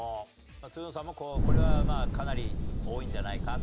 つるのさんもこれはまあかなり多いんじゃないかと？